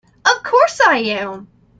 Of course I am!